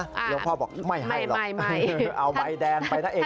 หรือว่าพ่อบอกไม่ให้หรอกเอาใบแดงไปได้เองนะ